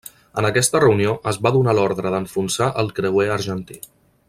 En aquesta reunió es va donar l'ordre d'enfonsar el creuer argentí.